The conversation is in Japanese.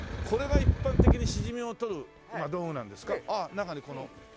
中にこの。